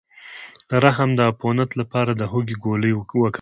د رحم د عفونت لپاره د هوږې ګولۍ وکاروئ